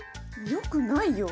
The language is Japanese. よくないよ。